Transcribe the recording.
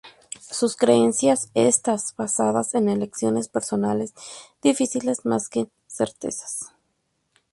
Sus creencias estas basadas en elecciones personales difíciles más que en certezas.